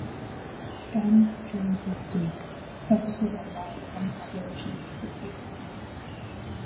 "Guns, Germs, and Steel" focuses on why some populations succeeded.